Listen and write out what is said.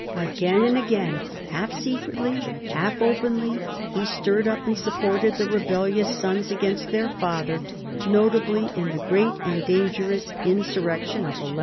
Again and again, half secretly, half openly, he stirred up and supported the rebellious sons against their father, notably in the great and dangerous insurrection of 1173.